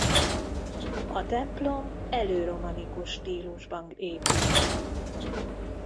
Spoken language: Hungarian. A templom elő-romanikus stílusban épült.